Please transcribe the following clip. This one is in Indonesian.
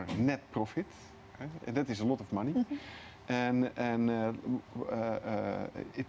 dan itu adalah banyak uang